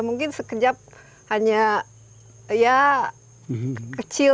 mungkin sekejap hanya ya kecil